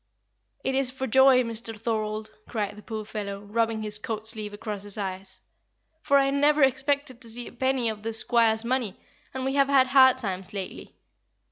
"It is for joy, Mr. Thorold," cried the poor fellow, rubbing his coat sleeve across his eyes, "for I never expected to see a penny of the squire's money, and we have had hard times lately.